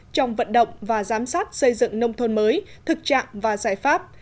trong vận động và giám sát xây dựng nông thôn mới thực trạng và giải pháp